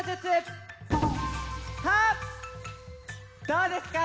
どうですか？